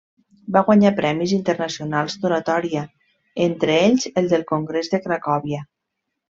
Va guanyar premis internacionals d'oratòria, entre ells el del congrés de Cracòvia.